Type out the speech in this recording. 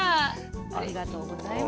ありがとうございます。